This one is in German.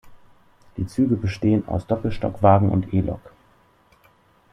Die Züge bestehen aus Doppelstockwagen und E-Lok.